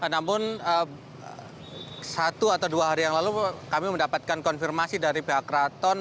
namun satu atau dua hari yang lalu kami mendapatkan konfirmasi dari pihak keraton